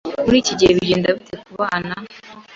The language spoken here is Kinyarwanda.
Muri iki gihe bigenda bite ku bana?